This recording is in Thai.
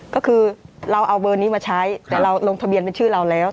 ก็คือเราเอาเบอร์นี้มาใช้แต่เราลงทะเบียนเป็นชื่อเราแล้ว